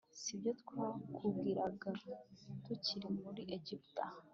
si byo twakubwiraga tukiri muri egiputa